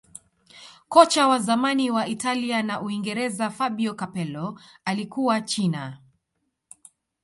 kocha wa zamani wa italia na uingereza fabio capello alikuwa china